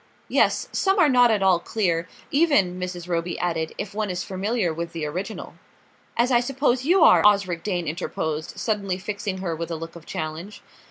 "Yes; some are not at all clear even," Mrs. Roby added, "if one is familiar with the original." "As I suppose you are?" Osric Dane interposed, suddenly fixing her with a look of challenge.